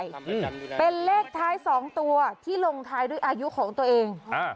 นี่เป็นเลขท้ายสองตัวที่ลงท้ายด้วยอายุของตัวเองอ่า